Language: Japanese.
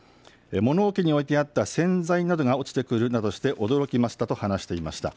物置に置いてあった洗剤などが落ちてくるなどして驚きましたと話していました。